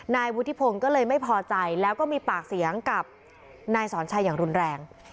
นายวุฒิพงศ์ก็เลยไม่พอใจแล้วก็มีปากเสียงกับนายสอนชัยอย่างรุนแรง